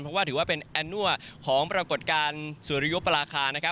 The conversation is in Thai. เพราะว่าถือว่าเป็นแอนนัวของปรากฏการณ์สุริยุปราคานะครับ